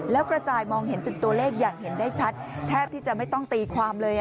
แล้วกระจายมองเห็นเป็นตัวเลขอย่างเห็นได้ชัดแทบที่จะไม่ต้องตีความเลย